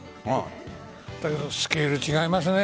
だけどスケールが違いますね。